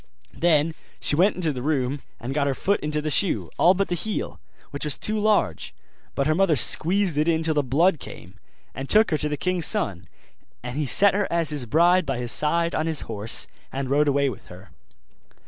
Then she went into the room and got her foot into the shoe, all but the heel, which was too large. But her mother squeezed it in till the blood came, and took her to the king's son: and he set her as his bride by his side on his horse, and rode away with her.